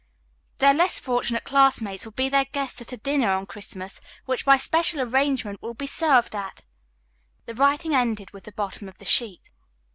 Their less fortunate classmates will be their guests at a dinner on Christmas which by special arrangement will be served at " The writing ended with the bottom of the sheet.